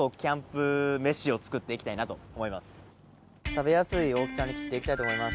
食べやすい大きさに切っていきたいと思います。